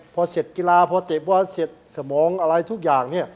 พอเสร็จกีฬาพอเจ็บวาดเสร็จสมองอะไรทุกอย่างเนี่ย